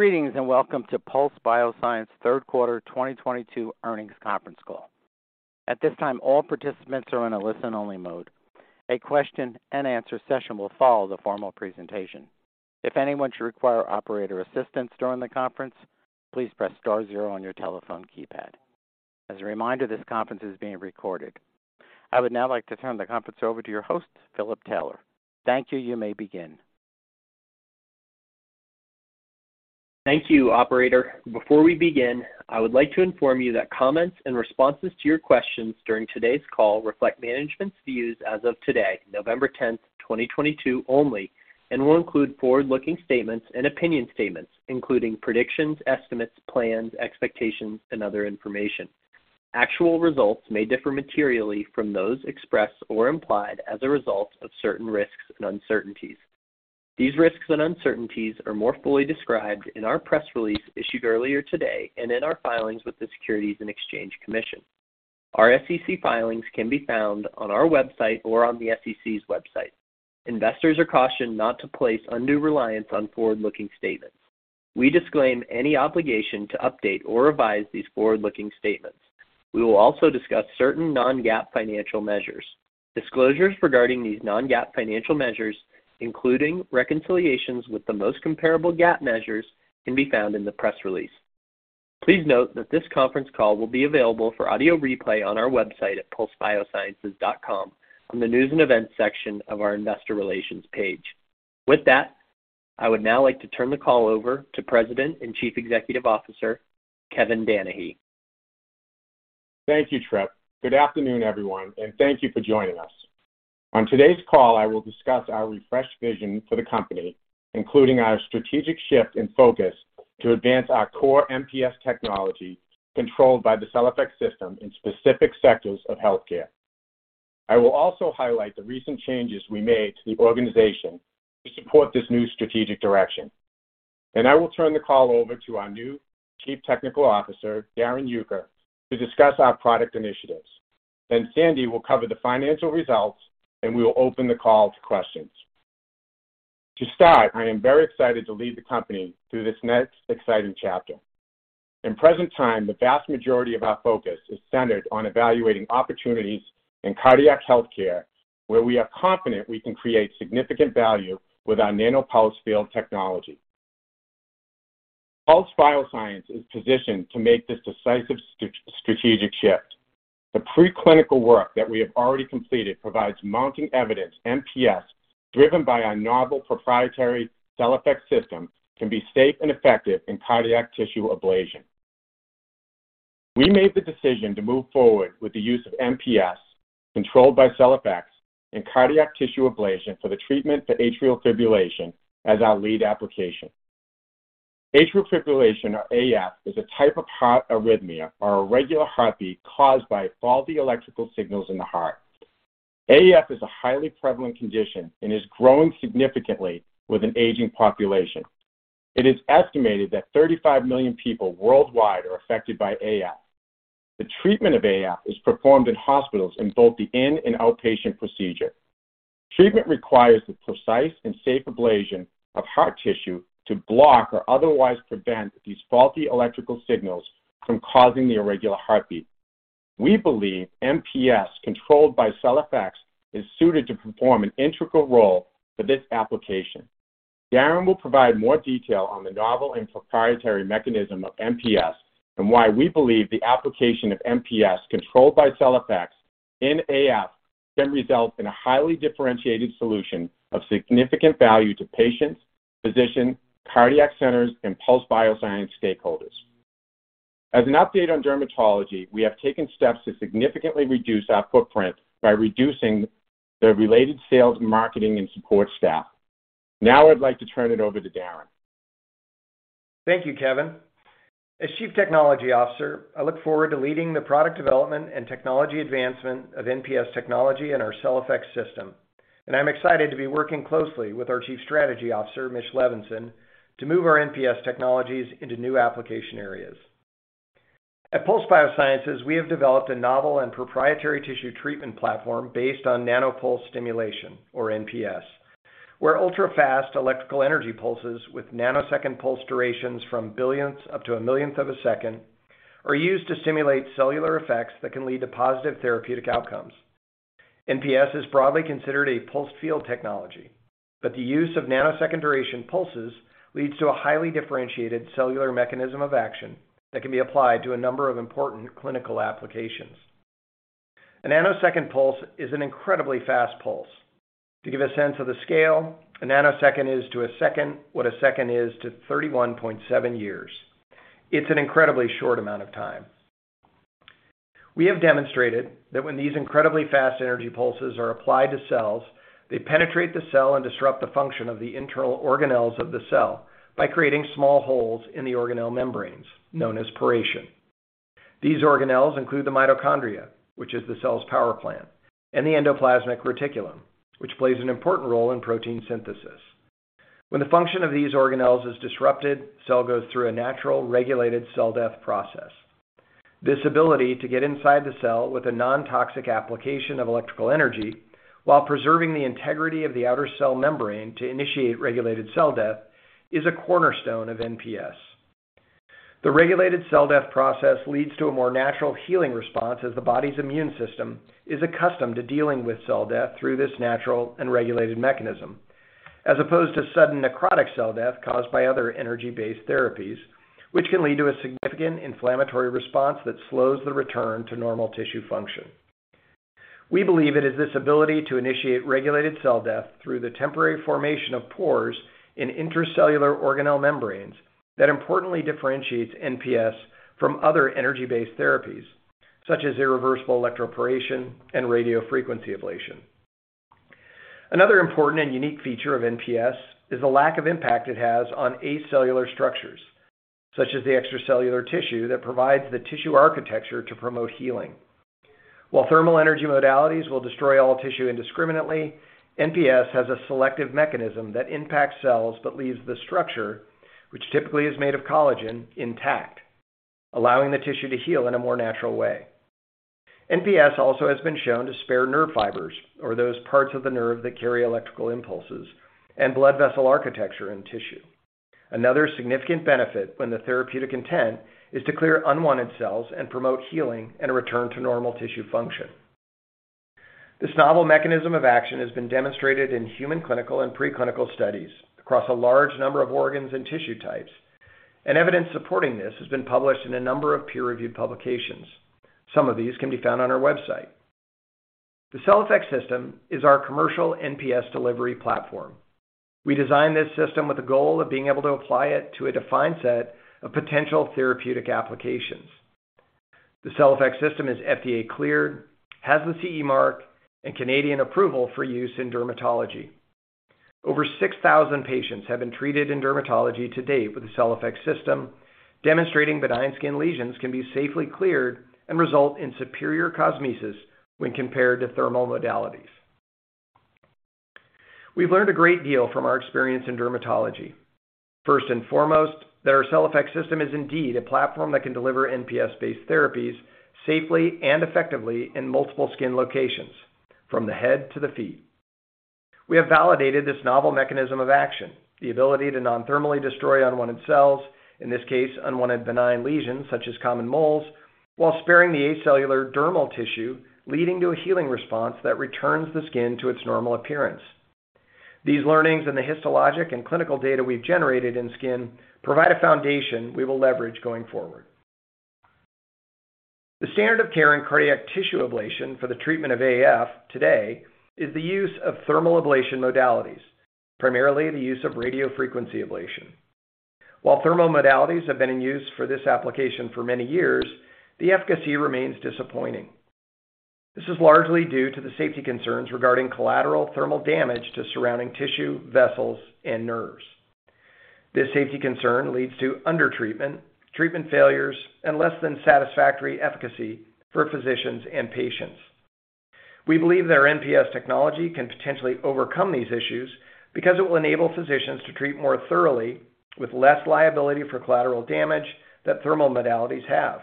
Greetings, and welcome to Pulse Biosciences third quarter 2022 earnings conference call. At this time, all participants are in a listen-only mode. A question and answer session will follow the formal presentation. If anyone should require operator assistance during the conference, please press star 0 on your telephone keypad. As a reminder, this conference is being recorded. I would now like to turn the conference over to your host, Philip Taylor. Thank you. You may begin. Thank you, operator. Before we begin, I would like to inform you that comments and responses to your questions during today's call reflect management's views as of today, November 10, 2022 only, and will include forward-looking statements and opinion statements, including predictions, estimates, plans, expectations, and other information. Actual results may differ materially from those expressed or implied as a result of certain risks and uncertainties. These risks and uncertainties are more fully described in our press release issued earlier today and in our filings with the Securities and Exchange Commission. Our SEC filings can be found on our website or on the SEC's website. Investors are cautioned not to place undue reliance on forward-looking statements. We disclaim any obligation to update or revise these forward-looking statements. We will also discuss certain non-GAAP financial measures. Disclosures regarding these non-GAAP financial measures, including reconciliations with the most comparable GAAP measures, can be found in the press release. Please note that this conference call will be available for audio replay on our website at pulsebiosciences.com on the News and Events section of our Investor Relations page. With that, I would now like to turn the call over to President and Chief Executive Officer, Kevin Danahy. Thank you, Tripp. Good afternoon, everyone, and thank you for joining us. On today's call, I will discuss our refreshed vision for the company, including our strategic shift in focus to advance our core NPS technology controlled by the CellFX System in specific sectors of healthcare. I will also highlight the recent changes we made to the organization to support this new strategic direction. I will turn the call over to our new Chief Technology Officer, Darrin Uecker, to discuss our product initiatives. Sandy will cover the financial results, and we will open the call to questions. To start, I am very excited to lead the company through this next exciting chapter. In present time, the vast majority of our focus is centered on evaluating opportunities in cardiac healthcare, where we are confident we can create significant value with our Nano-Pulse Field technology. Pulse Biosciences is positioned to make this decisive strategic shift. The pre-clinical work that we have already completed provides mounting evidence NPS, driven by our novel proprietary CellFX System, can be safe and effective in cardiac tissue ablation. We made the decision to move forward with the use of NPS controlled by CellFX in cardiac tissue ablation for the treatment for atrial fibrillation as our lead application. Atrial fibrillation, or AF, is a type of heart arrhythmia or irregular heartbeat caused by faulty electrical signals in the heart. AF is a highly prevalent condition and is growing significantly with an aging population. It is estimated that 35 million people worldwide are affected by AF. The treatment of AF is performed in hospitals in both the inpatient and outpatient procedure. Treatment requires the precise and safe ablation of heart tissue to block or otherwise prevent these faulty electrical signals from causing the irregular heartbeat. We believe NPS controlled by CellFX is suited to perform an integral role for this application. Darrin will provide more detail on the novel and proprietary mechanism of NPS and why we believe the application of NPS controlled by CellFX in AF can result in a highly differentiated solution of significant value to patients, physicians, cardiac centers, and Pulse Biosciences stakeholders. As an update on dermatology, we have taken steps to significantly reduce our footprint by reducing the related sales, marketing, and support staff. Now I'd like to turn it over to Darrin. Thank you, Kevin. As Chief Technology Officer, I look forward to leading the product development and technology advancement of NPS technology in our CellFX System, and I'm excited to be working closely with our Chief Strategy Officer, Mitch Levinson, to move our NPS technologies into new application areas. At Pulse Biosciences, we have developed a novel and proprietary tissue treatment platform based on Nano-Pulse Stimulation, or NPS, where ultra-fast electrical energy pulses with nanosecond pulse durations from billionths up to a millionth of a second are used to stimulate cellular effects that can lead to positive therapeutic outcomes. NPS is broadly considered a pulsed field technology, but the use of nanosecond duration pulses leads to a highly differentiated cellular mechanism of action that can be applied to a number of important clinical applications. A nanosecond pulse is an incredibly fast pulse. To give a sense of the scale, a nanosecond is to a second what a second is to 31.7 years. It's an incredibly short amount of time. We have demonstrated that when these incredibly fast energy pulses are applied to cells, they penetrate the cell and disrupt the function of the internal organelles of the cell by creating small holes in the organelle membranes, known as poration. These organelles include the mitochondria, which is the cell's power plant, and the endoplasmic reticulum, which plays an important role in protein synthesis. When the function of these organelles is disrupted, cell goes through a natural regulated cell death process. This ability to get inside the cell with a non-toxic application of electrical energy while preserving the integrity of the outer cell membrane to initiate regulated cell death is a cornerstone of NPS. The regulated cell death process leads to a more natural healing response as the body's immune system is accustomed to dealing with cell death through this natural and regulated mechanism, as opposed to sudden necrotic cell death caused by other energy-based therapies, which can lead to a significant inflammatory response that slows the return to normal tissue function. We believe it is this ability to initiate regulated cell death through the temporary formation of pores in intracellular organelle membranes that importantly differentiates NPS from other energy-based therapies, such as irreversible electroporation and radiofrequency ablation. Another important and unique feature of NPS is the lack of impact it has on acellular structures, such as the extracellular tissue that provides the tissue architecture to promote healing. While thermal energy modalities will destroy all tissue indiscriminately, NPS has a selective mechanism that impacts cells but leaves the structure, which typically is made of collagen, intact, allowing the tissue to heal in a more natural way. NPS also has been shown to spare nerve fibers or those parts of the nerve that carry electrical impulses and blood vessel architecture in tissue. Another significant benefit when the therapeutic intent is to clear unwanted cells and promote healing and a return to normal tissue function. This novel mechanism of action has been demonstrated in human clinical and preclinical studies across a large number of organs and tissue types, and evidence supporting this has been published in a number of peer-reviewed publications. Some of these can be found on our website. The CellFX System is our commercial NPS delivery platform. We designed this system with the goal of being able to apply it to a defined set of potential therapeutic applications. The CellFX System is FDA cleared, has the CE mark, and Canadian approval for use in dermatology. Over 6,000 patients have been treated in dermatology to date with the CellFX System, demonstrating benign skin lesions can be safely cleared and result in superior cosmesis when compared to thermal modalities. We've learned a great deal from our experience in dermatology. First and foremost, that our CellFX System is indeed a platform that can deliver NPS-based therapies safely and effectively in multiple skin locations, from the head to the feet. We have validated this novel mechanism of action, the ability to non-thermally destroy unwanted cells, in this case, unwanted benign lesions such as common moles, while sparing the acellular dermal tissue, leading to a healing response that returns the skin to its normal appearance. These learnings and the histologic and clinical data we've generated in skin provide a foundation we will leverage going forward. The standard of care in cardiac tissue ablation for the treatment of AF today is the use of thermal ablation modalities, primarily the use of radiofrequency ablation. While thermal modalities have been in use for this application for many years, the efficacy remains disappointing. This is largely due to the safety concerns regarding collateral thermal damage to surrounding tissue, vessels, and nerves. This safety concern leads to undertreatment, treatment failures, and less than satisfactory efficacy for physicians and patients. We believe that our NPS technology can potentially overcome these issues because it will enable physicians to treat more thoroughly with less liability for collateral damage that thermal modalities have.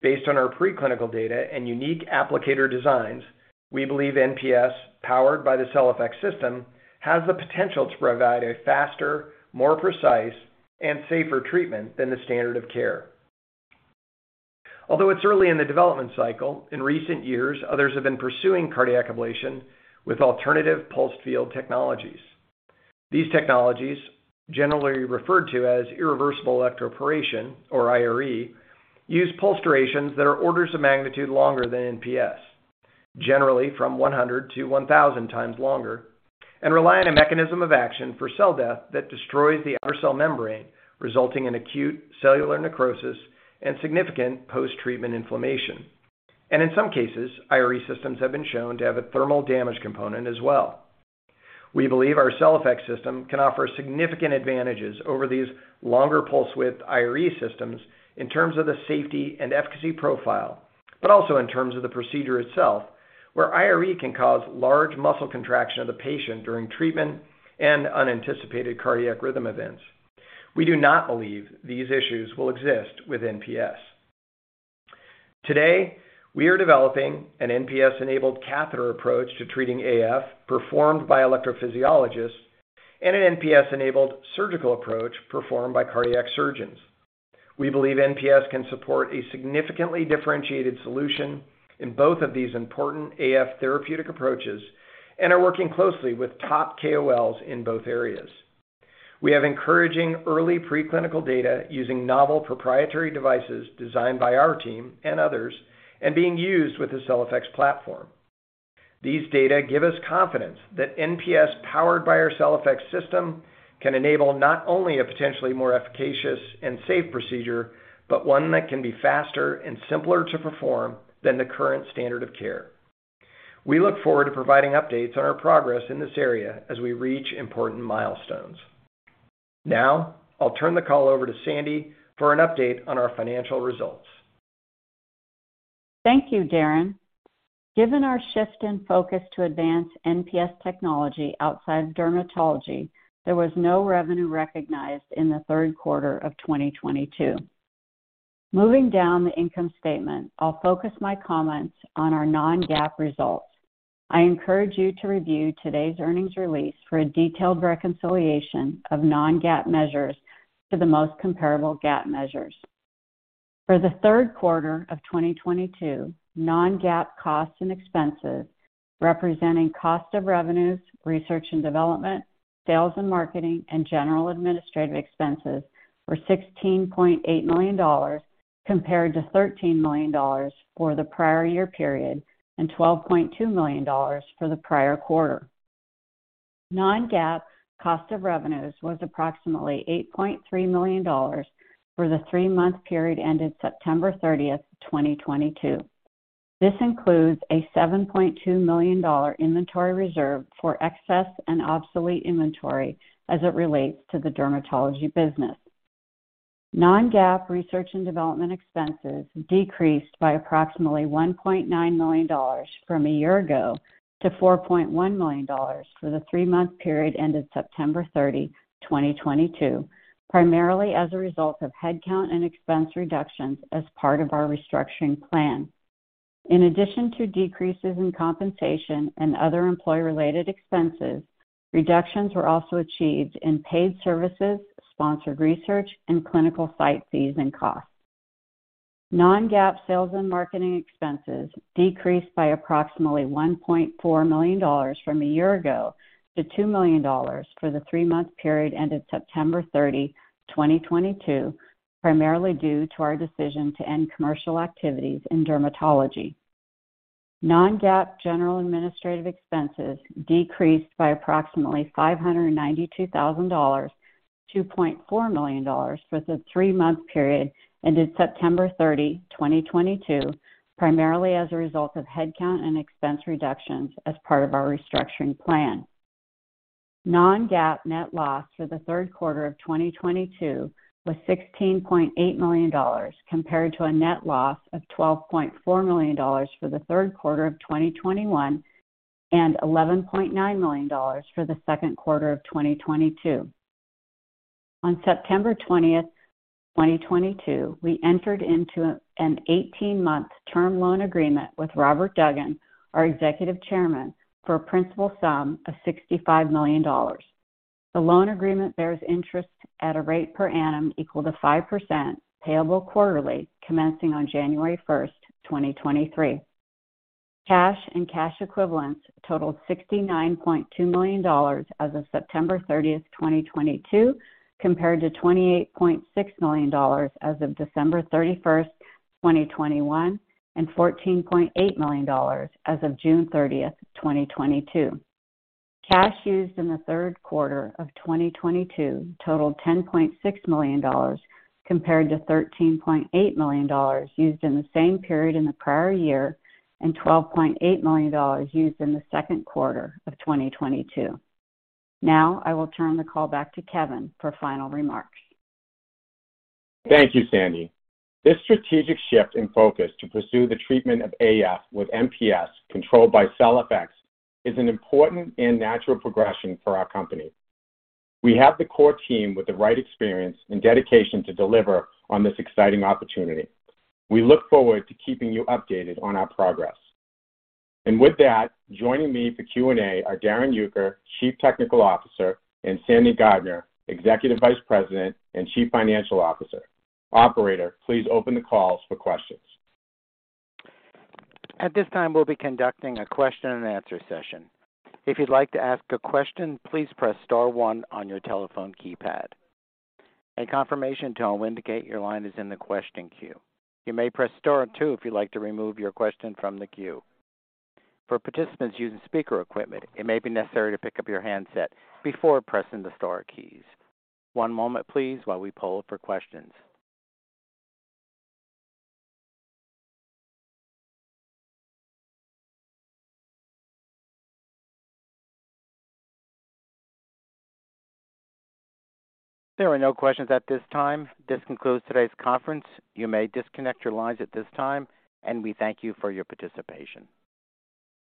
Based on our preclinical data and unique applicator designs, we believe NPS, powered by the CellFX System, has the potential to provide a faster, more precise, and safer treatment than the standard of care. Although it's early in the development cycle, in recent years, others have been pursuing cardiac ablation with alternative pulsed field technologies. These technologies, generally referred to as irreversible electroporation, or IRE, use pulse durations that are orders of magnitude longer than NPS, generally from 100-1,000 times longer, and rely on a mechanism of action for cell death that destroys the outer cell membrane, resulting in acute cellular necrosis and significant post-treatment inflammation. In some cases, IRE systems have been shown to have a thermal damage component as well. We believe our CellFX System can offer significant advantages over these longer pulse width IRE systems in terms of the safety and efficacy profile, but also in terms of the procedure itself, where IRE can cause large muscle contraction of the patient during treatment and unanticipated cardiac rhythm events. We do not believe these issues will exist with NPS. Today, we are developing an NPS-enabled catheter approach to treating AF performed by electrophysiologists and an NPS-enabled surgical approach performed by cardiac surgeons. We believe NPS can support a significantly differentiated solution in both of these important AF therapeutic approaches and are working closely with top KOLs in both areas. We have encouraging early preclinical data using novel proprietary devices designed by our team and others and being used with the CellFX platform. These data give us confidence that NPS powered by our CellFX System can enable not only a potentially more efficacious and safe procedure, but one that can be faster and simpler to perform than the current standard of care. We look forward to providing updates on our progress in this area as we reach important milestones. Now, I'll turn the call over to Sandy for an update on our financial results. Thank you, Darrin. Given our shift in focus to advance NPS technology outside of dermatology, there was no revenue recognized in the third quarter of 2022. Moving down the income statement, I'll focus my comments on our non-GAAP results. I encourage you to review today's earnings release for a detailed reconciliation of non-GAAP measures to the most comparable GAAP measures. For the third quarter of 2022, non-GAAP costs and expenses, representing cost of revenues, research and development, sales and marketing and general administrative expenses were $16.8 million compared to $13 million for the prior year period and $12.2 million for the prior quarter. Non-GAAP cost of revenues was approximately $8.3 million for the three-month period ended September 30, 2022. This includes a $7.2 million inventory reserve for excess and obsolete inventory as it relates to the dermatology business. non-GAAP research and development expenses decreased by approximately $1.9 million from a year ago to $4.1 million for the three-month period ended September 30, 2022, primarily as a result of headcount and expense reductions as part of our restructuring plan. In addition to decreases in compensation and other employee-related expenses, reductions were also achieved in paid services, sponsored research, and clinical site fees and costs. non-GAAP sales and marketing expenses decreased by approximately $1.4 million from a year ago to $2 million for the three-month period ended September 30, 2022, primarily due to our decision to end commercial activities in dermatology. Non-GAAP general and administrative expenses decreased by approximately $592 thousand-$2.4 million for the three-month period ended September 30, 2022, primarily as a result of headcount and expense reductions as part of our restructuring plan. Non-GAAP net loss for the third quarter of 2022 was $16.8 million, compared to a net loss of $12.4 million for the third quarter of 2021 and $11.9 million for the second quarter of 2022. On September 20, 2022, we entered into an 18-month term loan agreement with Robert Duggan, our Executive Chairman, for a principal sum of $65 million. The loan agreement bears interest at a rate per annum equal to 5% payable quarterly, commencing on January 1, 2023. Cash and cash equivalents totaled $69.2 million as of September 30, 2022, compared to $28.6 million as of December 31, 2021, and $14.8 million as of June 30, 2022. Cash used in the third quarter of 2022 totaled $10.6 million compared to $13.8 million used in the same period in the prior year and $12.8 million used in the second quarter of 2022. Now I will turn the call back to Kevin for final remarks. Thank you, Sandy. This strategic shift in focus to pursue the treatment of AF with NPS controlled by CellFX is an important and natural progression for our company. We have the core team with the right experience and dedication to deliver on this exciting opportunity. We look forward to keeping you updated on our progress. With that, joining me for Q&A are Darrin Uecker, Chief Technology Officer, and Sandra Gardiner, Executive Vice President and Chief Financial Officer. Operator, please open the calls for questions. At this time, we'll be conducting a question and answer session. If you'd like to ask a question, please press star 1 on your telephone keypad. A confirmation tone will indicate your line is in the question queue. You may press star 2 if you'd like to remove your question from the queue. For participants using speaker equipment, it may be necessary to pick up your handset before pressing the star keys. One moment please while we poll for questions. There are no questions at this time. This concludes today's conference. You may disconnect your lines at this time, and we thank you for your participation.